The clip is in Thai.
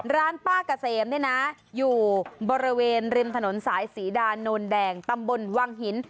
ร้านป้าเกษมเนี่ยนะอยู่บริเวณริมถนนสายศรีดาโนนแดงตำบลวังหิน